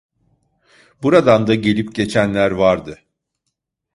Buradan da gelip geçenler vardı.